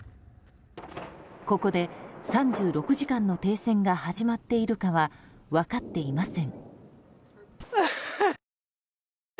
ここで３６時間の停戦が始まっているかは分かっていません。